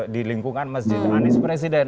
di lingkungan masjid anies presiden